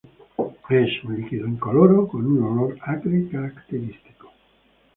Es un líquido incoloro con un olor acre característico.